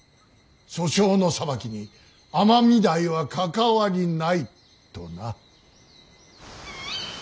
訴訟の裁きに尼御台は関わりないとな。